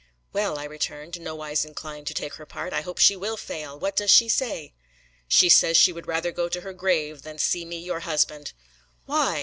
"Well," I returned, nowise inclined to take her part, "I hope she will fail! What does she say?" "She says she would rather go to her grave than see me your husband." "Why?"